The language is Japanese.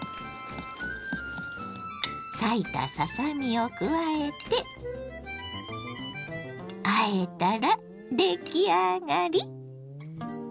裂いたささ身を加えてあえたら出来上がり！